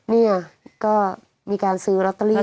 นี่ก็มีการซื้อลัตเตอรี่กัน